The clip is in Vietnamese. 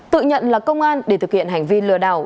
tự nhận là công an để thực hiện hành vi lừa đảo